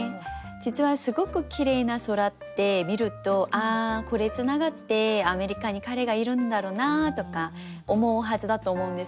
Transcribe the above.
実はすごくきれいな空って見るとああこれ繋がってアメリカに彼がいるんだろうなとか思うはずだと思うんですよね。